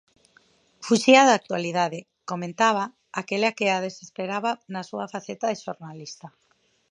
Fuxía da actualidade, comentaba, aquela que a desesperaba na súa faceta de xornalista.